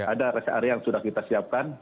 ada rest area yang sudah kita siapkan